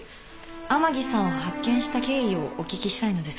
甘木さんを発見した経緯をお聞きしたいのですが。